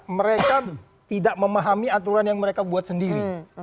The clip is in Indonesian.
mereka tidak memahami aturan yang mereka buat sendiri